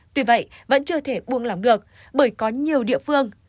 tuy vậy vẫn chưa thể buông lỏng được bởi có nhiều địa phương